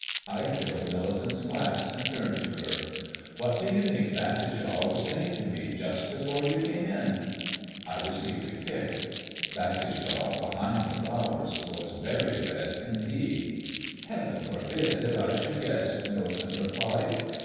I filled Millicent's glass, and turned to her. "What do you think Bassishaw was saying to me just before you came in?" I received a kick. Bassishaw, behind the flowers, was very red indeed. "Heaven forbid that I should guess!" Millicent replied.